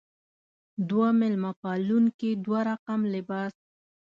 دوه میلمه پالونکې دوه رقم لباس.